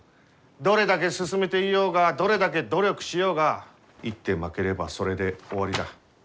どれだけ進めていようがどれだけ努力しようが一手負ければそれで終わりだ。